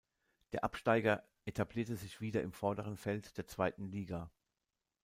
Der Absteiger etablierte sich wieder im vorderen Feld der zweiten Liga.